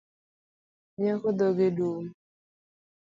Nyako dhoge dum